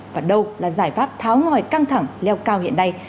và đâu là giải pháp tháo ngòi căng thẳng leo cao hiện nay